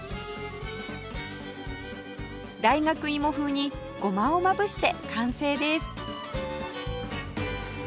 大学芋風にごまをまぶして完成です